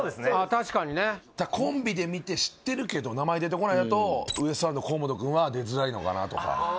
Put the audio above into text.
確かにねコンビで見て知ってるけど名前出てこないだとウエストランド河本くんは出づらいのかなとか